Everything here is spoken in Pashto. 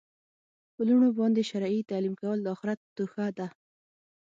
په لوڼو باندي شرعي تعلیم کول د آخرت توښه ده